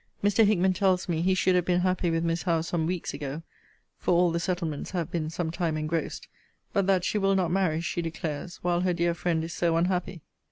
Mr. Hickman tells me, he should have been happy with Miss Howe some weeks ago, (for all the settlements have been some time engrossed;) but that she will not marry, she declares, while her dear friend is so unhappy.